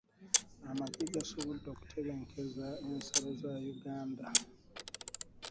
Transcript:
Amagye gasobodde okutebenkeza ensalo za Uganda.